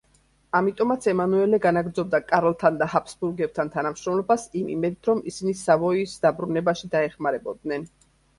ამიტომაც ემანუელე განაგრძობდა კარლთან და ჰაბსბურგებთან თანამშრომლობას, იმ იმედით, რომ ისინი სავოიის დაბრუნებაში დაეხმარებოდნენ.